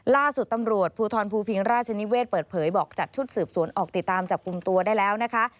ล่าสุดตำรวจภูทรภูพิงราชนิเวศเปิดเผยบอกจัดชุดสืบสวนออกติดตามจับกลุ่มตัวได้แล้วนะคะ